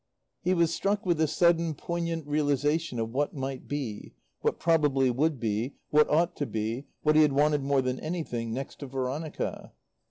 He was struck with a sudden, poignant realization of what might be, what probably would be, what ought to be, what he had wanted more than anything, next to Veronica.